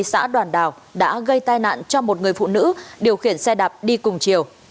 xã đoàn đào đã gây tai nạn cho một người phụ nữ điều khiển xe đạp đi cùng chiều